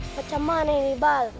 bacemana ini bal